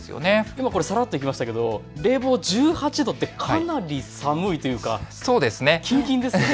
今さらっといきましたが冷房１８度ってかなり寒いというかきんきんですよね。